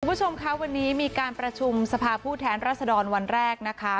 คุณผู้ชมคะวันนี้มีการประชุมสภาผู้แทนรัศดรวันแรกนะคะ